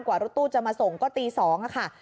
กวาดรถตู้จะมาส่งก็ตี๒อ่ะค่ะ